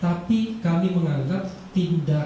tapi kami mengangkat tindakan yang